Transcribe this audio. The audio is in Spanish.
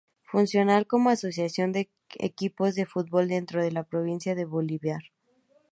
Funciona como asociación de equipos de fútbol dentro de la Provincia de Bolívar.